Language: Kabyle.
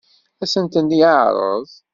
Ad sen-ten-yeɛṛeḍ?